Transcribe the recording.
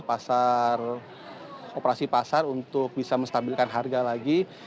pasar operasi pasar untuk bisa menstabilkan harga lagi